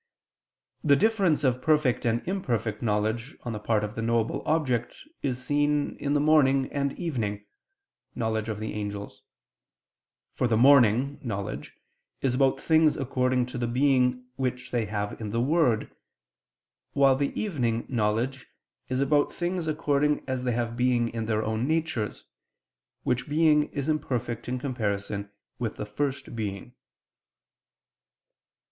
The difference of perfect and imperfect knowledge on the part of the knowable object is seen in the "morning" and "evening" knowledge of the angels: for the "morning" knowledge is about things according to the being which they have in the Word, while the "evening" knowledge is about things according as they have being in their own natures, which being is imperfect in comparison with the First Being.